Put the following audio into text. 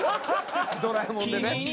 『ドラえもん』でね。